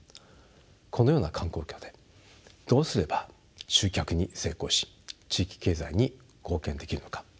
このような環境下でどうすれば集客に成功し地域経済に貢献できるのか。